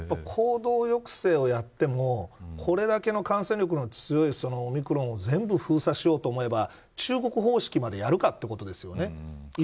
行動抑制をやってもこれだけの感染力の強いオミクロンを全部封鎖しようと思えば中国方式までやるかということですよね。